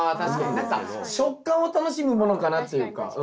何か食感を楽しむものかなっていうか。